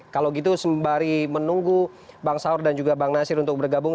kalau gitu sembari menunggu bang saur dan juga bang nasir untuk bergabung